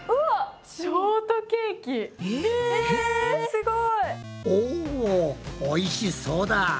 すごい！おおいしそうだ。